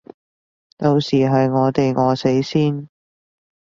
到時係我哋餓死先